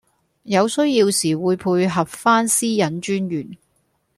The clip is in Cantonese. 有需要時會配合番私隱專員